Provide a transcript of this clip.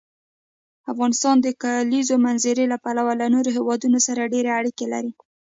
افغانستان د کلیزو منظره له پلوه له نورو هېوادونو سره ډېرې اړیکې لري.